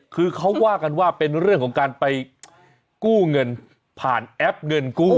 คือเขาว่ากันว่าเป็นเรื่องของการไปกู้เงินผ่านแอปเงินกู้